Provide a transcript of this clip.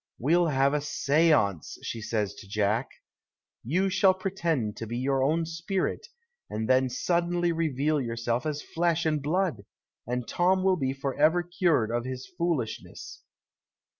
" We'll have a stance," she says to Jack ;" you shall pretend to l^ your own spirit, and then suddenly reveal yourself as flesh and blood — and Tom will be 180 PASTICHE AND PREJUDICE for ever cured of his foolishness."